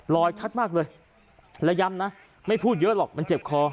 ชัดมากเลยและย้ำนะไม่พูดเยอะหรอกมันเจ็บคอ